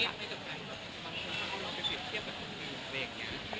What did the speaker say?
มันความจะเป็นนางงาม